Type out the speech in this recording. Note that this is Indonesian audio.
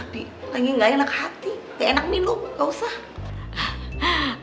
b lagi gak enak hati gak enak minum gak usah